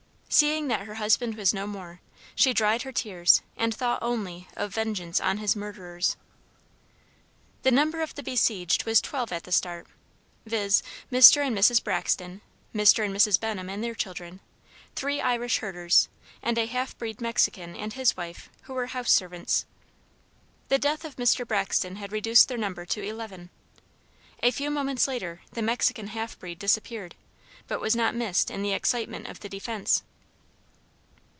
Seeing that her husband was no more, she dried her tears and thought only of vengeance on his murderers. The number of the besieged was twelve at the start, viz.: Mr. and Mrs. Braxton, Mr. and Mrs. Benham and their children, three Irish herders, and a half breed Mexican and his wife, who were house servants. The death of Mr. Braxton had reduced their number to eleven. A few moments later the Mexican half breed disappeared, but was not missed in the excitement of the defense.